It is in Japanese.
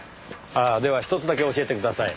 ああではひとつだけ教えてください。